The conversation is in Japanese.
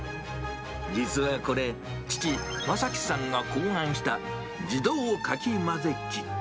実はこれ、父、正樹さんが考案した、自動かきまぜ機。